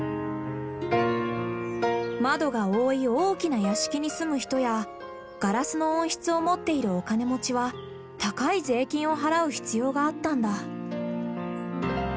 窓が多い大きな屋敷に住む人やガラスの温室を持っているお金持ちは高い税金を払う必要があったんだ。